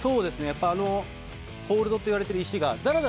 やっぱりあのホールドといわれてる石が。